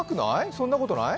そんなことない？